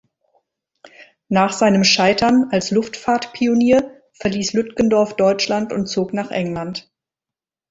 Nach seinem Scheitern als Luftfahrtpionier verließ Lütgendorf Deutschland und zog nach England.